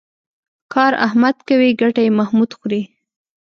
کار احمد کوي ګټه یې محمود خوري.